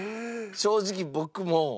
正直僕も。